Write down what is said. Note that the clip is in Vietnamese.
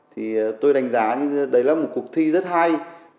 thì tôi đánh giá đấy là một cuộc thi rất hay